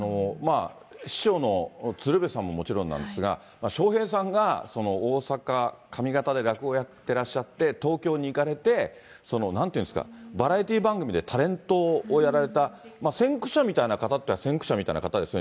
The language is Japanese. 師匠の鶴瓶さんももちろんなんですが、笑瓶さんが、大阪上方で落語やってらっしゃって、東京に行かれて、なんていうんですか、バラエティー番組でタレントをやられた先駆者みたいな方っていったら、先駆者みたいな方でしたよね。